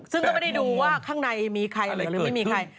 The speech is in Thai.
ซึ่งก็ไม่ได้ดูว่าข้างในมีใครหรือไม่มีใคร